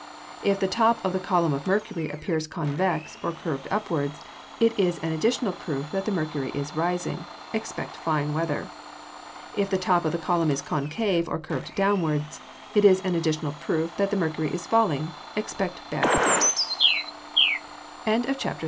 If the top of the column of mercury appears convex, or curved upwards, it is an additional proof that the mercury is rising. Expect fine weather. If the top of the column is concave, or curved downwards, it is an additional proof that the mercury is falling. Expect bad weather.